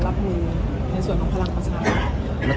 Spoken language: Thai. รับมือในส่วนของภารังประชา